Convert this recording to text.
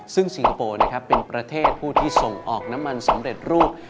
ซึ่งสิงคโปร์นะครับเป็นประเทศผู้ที่ส่งออกน้ำมันสำเร็จรูป